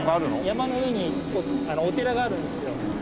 山の上にお寺があるんですよ。